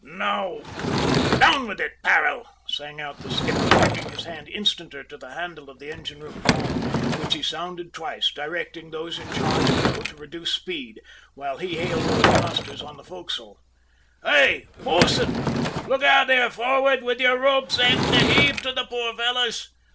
"Now down with it, Parrell!" sang out the skipper, bringing his hand instanter on the handle of the engine room gong, which he sounded twice, directing those in charge below to reduce speed, while he hailed old Masters on the fo'c's'le. "Hi, bo'sun! Look out there forrad with your rope's end to heave to the poor fellows!